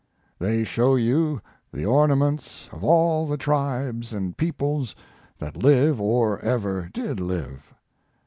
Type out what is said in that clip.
They show you the ornaments of all the tribes and peoples that live or ever did live.